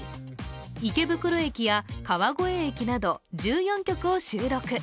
池袋駅や川越駅など１４曲を収録。